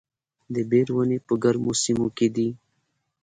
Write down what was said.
د بیر ونې په ګرمو سیمو کې دي؟